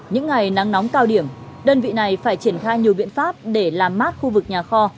những ngày nắng nóng cao điểm đơn vị này phải triển khai nhiều biện pháp để làm mát khu vực nhà kho